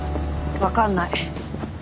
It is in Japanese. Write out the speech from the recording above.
分かんない。